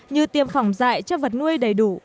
như tiêm phòng dại cho vật nuôi đầy đủ